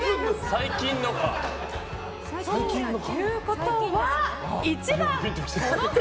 最近のか。ということは１番、この方。